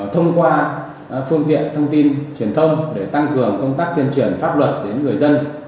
thông qua phương tiện thông tin truyền thông để tăng cường công tác tuyên truyền pháp luật đến người dân